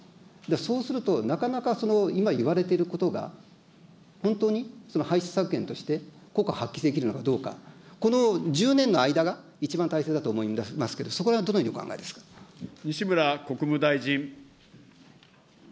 そうすると、なかなか今いわれていることが、本当に排出削減として効果発揮できるのかどうか、この１０年の間が、一番大切だと思いますけど、そこらへんはどのようにお考えで西村国務大臣。